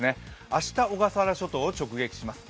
明日、小笠原諸島を直撃します。